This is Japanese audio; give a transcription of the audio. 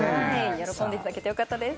喜んでいただけてよかったです